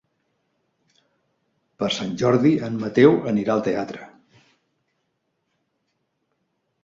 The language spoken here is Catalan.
Per Sant Jordi en Mateu anirà al teatre.